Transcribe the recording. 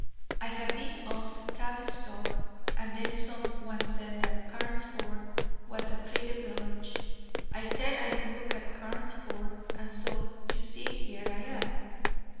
I have been up to Tavistock, and then some one said that Carnesford was a pretty village. I said I would look at Carnesford, and so you see here I am."